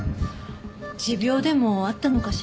持病でもあったのかしら？